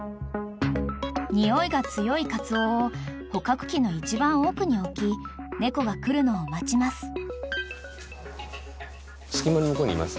［匂いが強いカツオを捕獲器の一番奥に置き猫が来るのを待ちます］